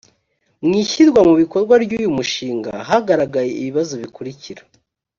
mu ishyirwa mu bikorwa by uyu mushinga hagaragaye ibibazo bikurikira